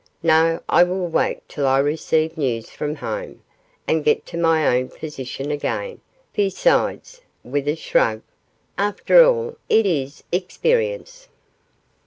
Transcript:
No; I will wait till I receive news from home, and get to my own position again; besides,' with a shrug, 'after all, it is experience.